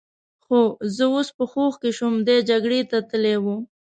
خو زه اوس په هوښ کې شوم، دی جګړې ته تلی و.